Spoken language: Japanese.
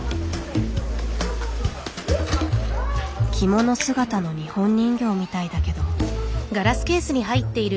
着物姿の日本人形みたいだけど。